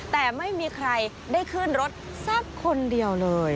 แต่ไม่มีใครได้ขึ้นรถสักคนเดียวเลย